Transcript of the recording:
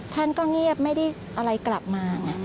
ท่านก็เงียบไม่ได้อะไรกลับมาไง